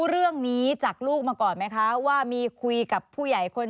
เรื่องนี้จากลูกมาก่อนไหมคะว่ามีคุยกับผู้ใหญ่คน